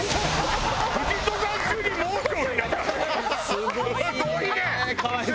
すごいね！